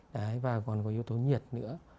đấy và còn có yếu tố nhiệt nữa